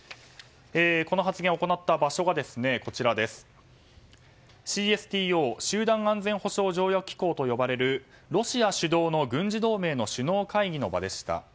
この発言を行った場所がＣＳＴＯ・集団安全保障条約機構と呼ばれるロシア主導の軍事同盟の首脳会談の場でした。